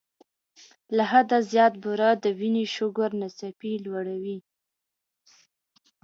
له حده زیات بوره د وینې شوګر ناڅاپي لوړوي.